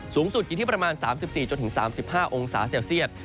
สูงสุดอยู่ที่ประมาณ๓๔๓๕องศาเซลเซียต